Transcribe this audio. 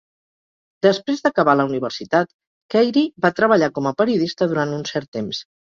Després d'acabar la universitat, Khairy va treballar com a periodista durant un cert temps.